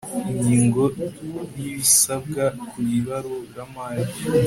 Ingingo ya Ibisabwa ku ibaruramari